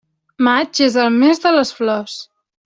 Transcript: Maig és el mes de les flors.